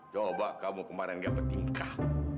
coba kamu kemarin gak bertingkah